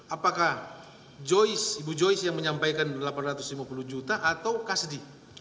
apakah ibu joyce yang menyampaikan delapan ratus lima puluh juta ataukah sedih